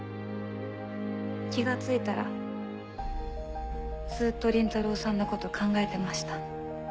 気が付いたらずっと倫太郎さんのこと考えてました。